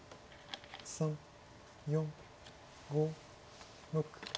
３４５６。